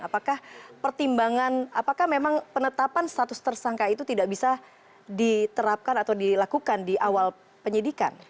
apakah pertimbangan apakah memang penetapan status tersangka itu tidak bisa diterapkan atau dilakukan di awal penyidikan